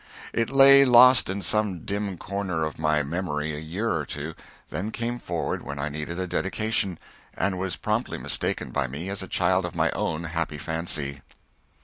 It lay lost in some dim corner of my memory a year or two, then came forward when I needed a dedication, and was promptly mistaken by me as a child of my own happy fancy.